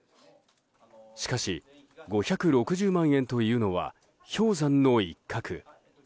しかし、５６０万円というのは氷山の一角。